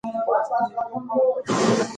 موږ نور نه شو کولای ککړتیا وزغمو.